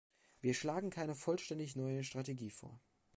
Wir schlagen keine vollständig neue Strategie vor.